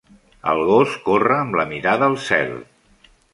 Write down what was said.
El gos corre amb la mirada al cel.